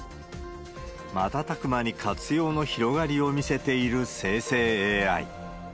瞬く間に活用の広がりを見せている生成ＡＩ。